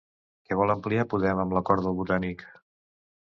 Què vol ampliar Podem en l'Acord del Botànic?